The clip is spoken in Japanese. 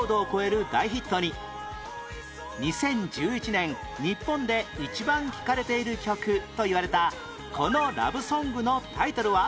１１年前２０１１年日本で一番聴かれている曲といわれたこのラブソングのタイトルは？